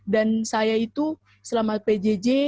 dan saya itu selama pjj